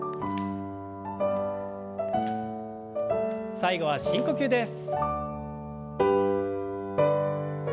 最後は深呼吸です。